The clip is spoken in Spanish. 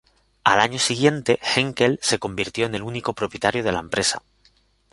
Al año siguiente, Henkel se convirtió en el único propietario de la empresa.